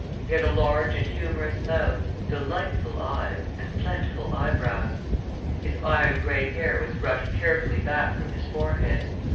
He had a large and humorous mouth, delightful eyes and plentiful eyebrows. His iron gray hair was brushed carefully back from his forehead.